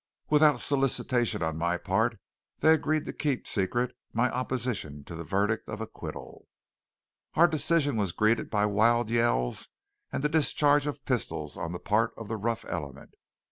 Without solicitation on my part they agreed to keep secret my opposition to the verdict of acquittal. Our decision was greeted by wild yells and the discharge of pistols on the part of the rough element.